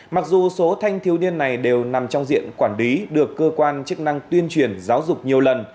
mặc dù số thanh thiếu niên này đều nằm trong diện quản lý được cơ quan chức năng tuyên truyền giáo dục nhiều lần